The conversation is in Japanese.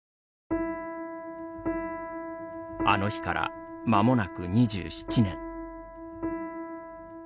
あの日から、まもなく２７年。